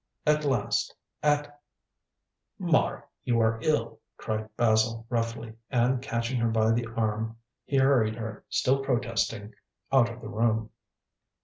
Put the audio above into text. At last. At " "Mara, you are ill!" cried Basil roughly, and catching her by the arm he hurried her, still protesting, out of the room.